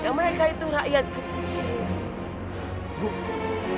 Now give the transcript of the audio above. yang mereka itu rakyat kecil buku